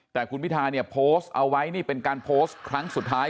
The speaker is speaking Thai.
แต่คุณพิธาเนี่ยโพสต์เอาไว้นี่เป็นการโพสต์ครั้งสุดท้าย